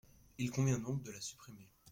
Il convient donc de la supprimer.